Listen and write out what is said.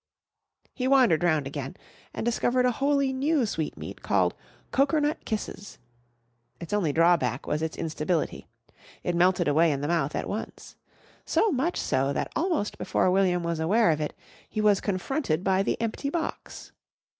He wandered round again and discovered a wholly new sweetmeat called Cokernut Kisses. Its only drawback was its instability. It melted away in the mouth at once. So much so that almost before William was aware of it he was confronted by the empty box.